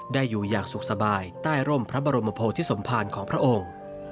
ได้อยู่อย่างสุขสบายใต้ร่มพระบรมโพธิสมภารของพระองค์